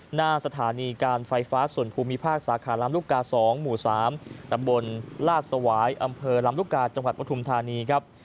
หน้าสถานีการไฟฟ้าส่วนภูมิภาคสาขาลำลูกกา๒หมู่๓ตำบลลาดสวายอำเภอลำลูกกาจังหวัดปฐุมธานีครับ